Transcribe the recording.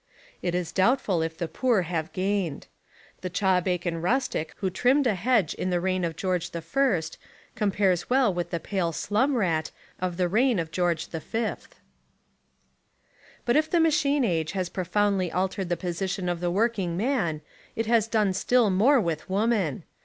It is doubtful if the poor have gained. The chaw bacon rustic who trimmed a hedge in the reign of George the First, compares well with the pale slum rat of the reign of George V. But if the machine age has profoundly al 145 Essays and Literary Studies tered the position of the working man, it has done still more with woman.